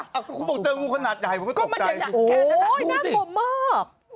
เขาบอกเจองูขนาดใหญ่ผมก็ตกใจนะโอ้ยน่ากลัวมาก